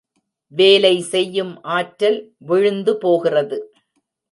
வேலை செய்யும் ஆற்றல் விழுந்து போகிறது.